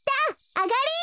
あがり！